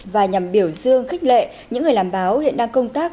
và nhằm biểu dương khích lệ những người làm báo hiện đang công tác